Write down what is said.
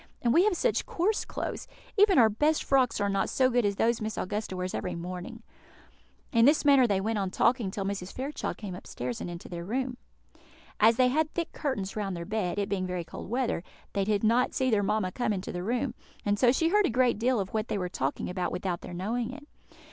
and we have such coarse clothes! Even our best frocks are not so good as those Miss Augusta wears every morning." In this manner they went on talking till Mrs. Fairchild came upstairs and into their room. As they had thick curtains round their bed, it being very cold weather, they did not see their mamma come into the room, and so she heard a great deal of what they were talking about without their knowing it.